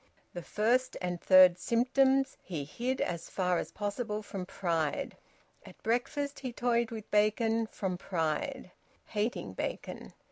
The first and third symptoms he hid as far as possible, from pride: at breakfast he toyed with bacon, from pride, hating bacon.